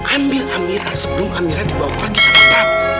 ambil amira sebelum amira dibawa pergi sama